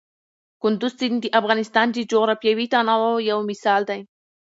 کندز سیند د افغانستان د جغرافیوي تنوع یو مثال دی.